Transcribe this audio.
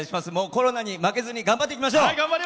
コロナに負けずに頑張っていきましょう！